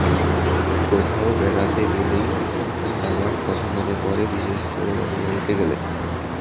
কোথাও বেড়াতে গেলেই এখন বাবার কথা মনে পড়ে, বিশেষ করে দাদুবাড়িতে গেলে।